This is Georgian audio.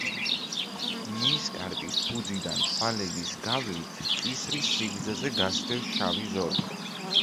ნისკარტის ფუძიდან თვალების გავლით, კისრის სიგრძეზე გასდევს შავი ზოლი.